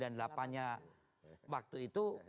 dia adalah tokoh yang muncul